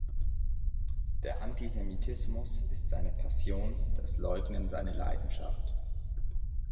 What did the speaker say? Der Antisemitismus ist seine Passion, das Leugnen seine Leidenschaft.